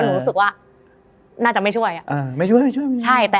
หนูรู้สึกว่าน่าจะไม่ช่วยอะ